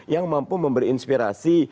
yang mampu memberi inspirasi